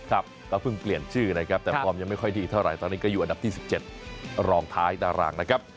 ครับก็เพิ่งเปลี่ยนชื่อนะครับแต่ฟอร์มยังไม่ค่อยดีเท่าไหร่ตอนนี้ก็อยู่อันดับที่๑๗รองท้ายตารางนะครับ